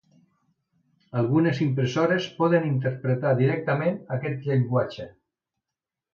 Algunes impressores poden interpretar directament aquest llenguatge.